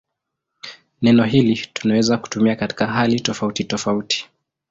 Neno hili tunaweza kutumia katika hali tofautitofauti.